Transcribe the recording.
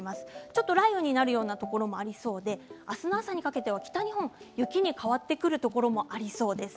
ちょっと雷雨になるようなところもありそうで、明日の朝にかけては北日本雪に変わってくるところもありそうです。